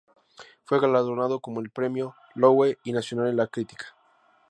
Fue galardonado con el Premio Loewe y Nacional de la Crítica.